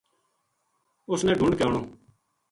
اُس نا ڈھونڈ کے آنوں